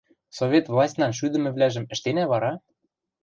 Совет властьнан шӱдӹмӹвлӓжӹм ӹштенӓ вара?